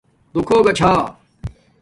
دُو کھݸگا چھا